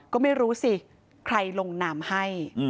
ก็ไม่รู้สิใครลงนามให้